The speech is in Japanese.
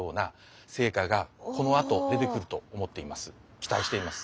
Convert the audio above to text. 期待しています。